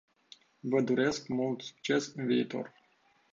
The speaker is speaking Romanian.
Vă doresc mult succes în viitor.